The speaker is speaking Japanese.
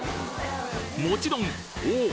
もちろんおおっ！